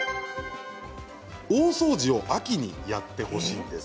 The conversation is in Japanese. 大掃除を秋にやってほしいんです。